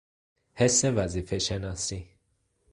حس وظیفهشناسی